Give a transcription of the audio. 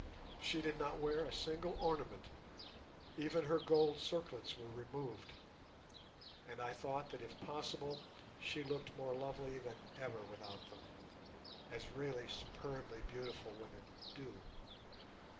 She did not wear a single ornament, even her gold circlets were removed, and I thought that if possible she looked more lovely than ever without them, as really superbly beautiful women do.